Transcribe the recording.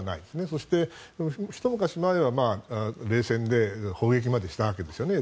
そして、ひと昔前は、冷戦で砲撃までしたわけですよね。